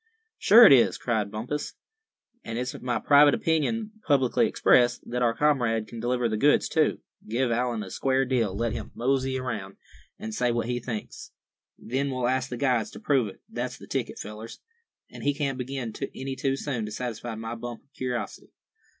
"Sure it is," cried Bumpus; "and it's my private opinion, publicly expressed, that our comrade can deliver the goods too. Give Allan a square deal. Let him 'mosey' around, and say what he thinks. Then we'll ask the guides to prove it. That's the ticket, fellers. An' he can't begin any too soon to satisfy my bump of curiosity.